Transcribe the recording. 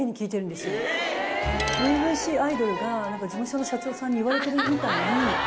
初々しいアイドルが事務所の社長さんに言われてるみたいに。